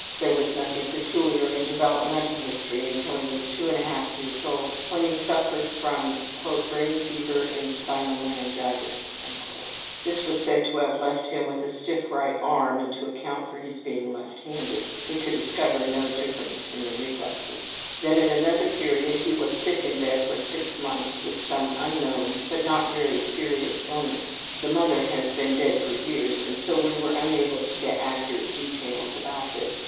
There was nothing peculiar in developmental history until he was 2 1/2 years old when he suffered from ``brain fever and spinal meningitis.'' This was said to have left him with a stiff right arm and to account for his being left handed. (We could discover no difference in the reflexes.) Then at another period he was sick in bed for 6 months with some unknown, but not very serious illness. The mother has been dead for years and so we were unable to get accurate details about this.